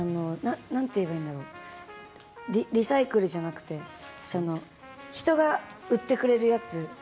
何て言うんだろうリサイクルじゃなくて人が売ってくれるやつ。